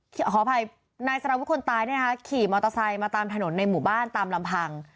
ขออภัยนายสารวุฒิคนตายเนี่ยนะคะขี่มอเตอร์ไซค์มาตามถนนในหมู่บ้านตามลำพัง